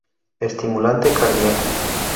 Estimulante cardíaco.